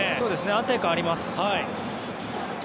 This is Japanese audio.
安定感があります。